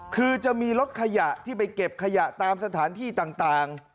คือจะมีรถขยะที่ไปเก็บขยะตามสถานที่ต่าง